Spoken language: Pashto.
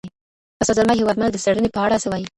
استاد زلمی هېوادمل د څېړني په اړه څه وایي؟